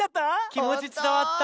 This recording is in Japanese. きもちつたわった！